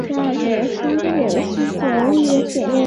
另一子灵溪郡王李咏。